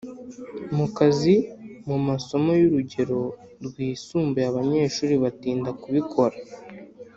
mu kazi Mu masomo y urugero rwisumbuye abanyeshuri batinda kubikora